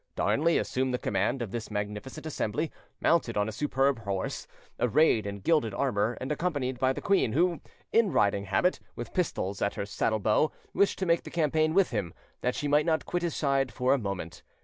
Darnley assumed the command of this magnificent assembly, mounted on a superb horse, arrayed in gilded armour; and accompanied by the queen, who, in a riding habit, with pistols at her saddle bow, wished to make the campaign with him, that she might not quit his side for a moment.